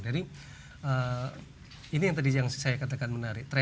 jadi ini yang tadi saya katakan menarik